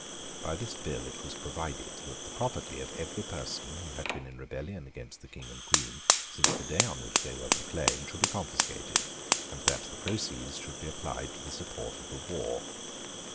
By this bill it was provided that the property of every person who had been in rebellion against the King and Queen since the day on which they were proclaimed should be confiscated, and that the proceeds should be applied to the support of the war.